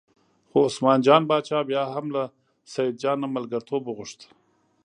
خو عثمان جان باچا بیا هم له سیدجان نه ملګرتوب وغوښت.